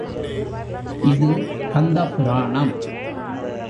இது கந்த புராணம்.